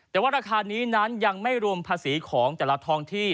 แต่ว่าราคานี้นั้นยังไม่รวมภาษีของแต่ละทองที่